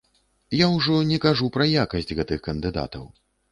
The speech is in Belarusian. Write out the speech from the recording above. Я ўжо не кажу пра якасць гэтых кандыдатаў.